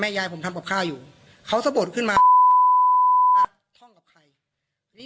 ยายผมทำกับข้าวอยู่เขาสะบดขึ้นมาท่องกับใครเฮ้ย